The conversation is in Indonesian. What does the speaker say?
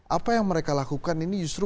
apa yang mereka lakukan ini justru